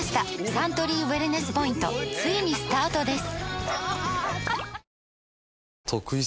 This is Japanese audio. サントリーウエルネスポイントついにスタートです！